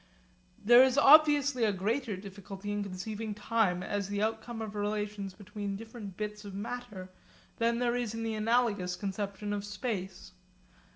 There is obviously a greater difficulty in conceiving time as the outcome of relations between different bits of matter than there is in the analogous conception of space.